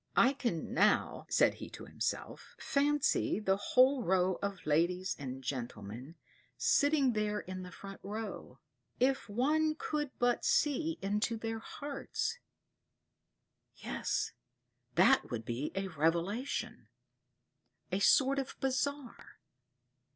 "I can now," said he to himself, "fancy the whole row of ladies and gentlemen sitting there in the front row; if one could but see into their hearts yes, that would be a revelation a sort of bazar.